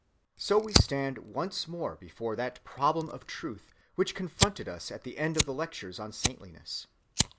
So we stand once more before that problem of truth which confronted us at the end of the lectures on saintliness.